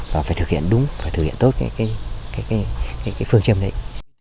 và phải thực hiện đúng phải thực hiện tốt cái phương châm đấy